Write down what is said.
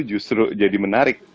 justru jadi menarik